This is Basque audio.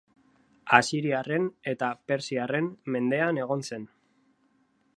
Asiriarren eta persiarren mendean egon zen.